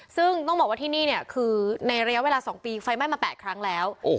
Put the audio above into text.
ซึ่งต้องบอกว่าที่นี่เนี่ยคือในระยะเวลา๒ปีไฟไหม้มา๘ครั้งแล้ว